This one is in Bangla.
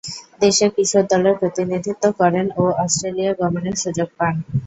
দেশের কিশোর দলের প্রতিনিধিত্ব করেন ও অস্ট্রেলিয়া গমনের সুযোগ পান।